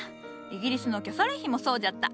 イギリスのキャサリン妃もそうじゃった。